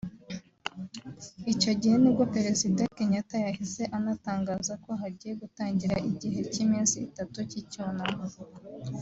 Icyo gihe nibwo Perezida Kenyatta yahise anatangaza ko hagiye gutangira igihe cy’iminsi itatu y’icyunamo